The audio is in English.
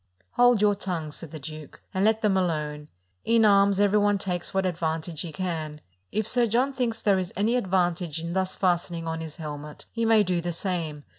"Hold your tongues," said the duke, "and let them alone : in arms every one takes what advantage he can : if Sir John thinks there is any advantage in thus fasten ing on his helmet, he may do the same.